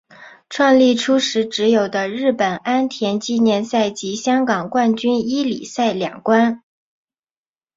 创立初时只有的日本安田纪念赛及香港冠军一哩赛两关。